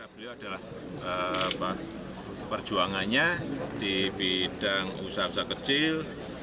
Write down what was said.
beliau adalah perjuangannya di bidang usaha usaha kecil